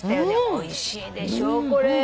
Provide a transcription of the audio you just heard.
おいしいでしょこれ。